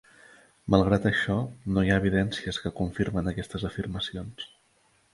Malgrat això, no hi ha evidències que confirmen aquestes afirmacions.